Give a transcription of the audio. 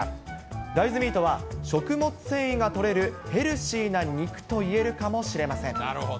大豆ミートは、食物繊維がとれるヘルシーな肉といえるかもしれません。